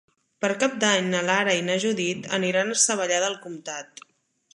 Per Cap d'Any na Lara i na Judit aniran a Savallà del Comtat.